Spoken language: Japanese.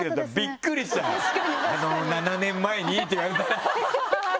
「あの７年前に」って言われたら。